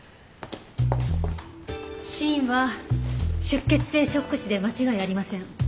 死因は出血性ショック死で間違いありません。